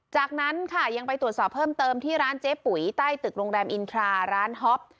จากนั้นค่ะยังไปตรวจสอบเพิ่มเติมที่ร้านเจ๊ปุ๋ยใต้ตึกโรงแรมอินทราร้านฮอป